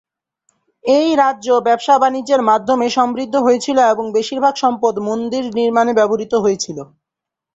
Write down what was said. এই রাজ্য ব্যবসা-বাণিজ্যের মাধ্যমে সমৃদ্ধ হয়েছিল এবং বেশিরভাগ সম্পদ মন্দির নির্মাণে ব্যবহৃত হয়েছিল।